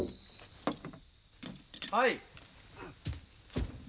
はい。